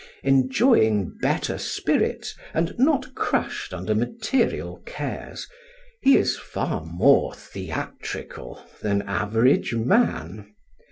Enjoying better spirits and not crushed under material cares, he is far more theatrical than average man.